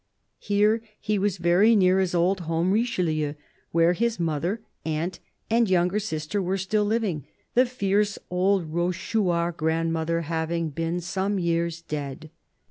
Here he was very near his old home, Richelieu, where his mother, aunt, and younger sister were still living, the fierce old Rochechouart grandmother having been some years dead.